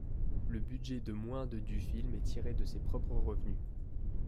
Le budget de moins de du film est tiré de ses propres revenus.